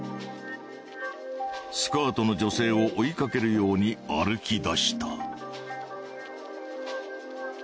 スカートの女性を追いかけるように歩き出した。